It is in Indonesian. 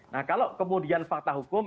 nah kalau kemudian fakta hukum